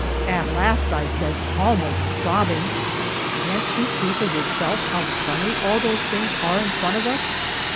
At last I said, almost sobbing, "Can't you see for yourself how funny all those things are in front of us?